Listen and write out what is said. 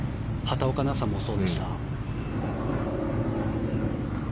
畑岡奈紗もそうでした。